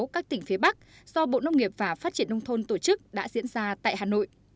các tỉnh phía bắc do bộ nông nghiệp và phát triển nông thôn tổ chức đã diễn ra tại hà nội